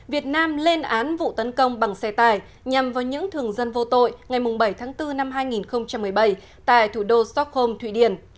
việt nam lên án vụ tấn công bằng xe tải nhằm vào những thường dân vô tội ngày bảy tháng bốn năm hai nghìn một mươi bảy tại thủ đô stockholm thụy điển